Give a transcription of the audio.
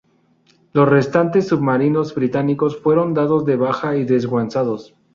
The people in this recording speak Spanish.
Los restantes submarinos británicos fueron dados de baja y desguazados.